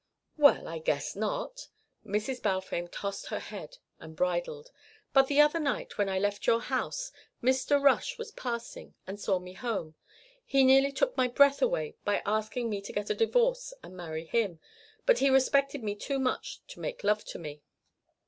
"Well, I guess not." Mrs. Balfame tossed her head and bridled. "But the other night, when I left your house, Mr. Rush was passing and saw me home. He nearly took my breath away by asking me to get a divorce and marry him, but he respected me too much to make love to me."